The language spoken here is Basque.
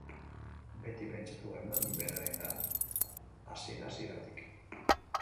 Beti pentsatu genuen berarengan, hasiera-hasieratik.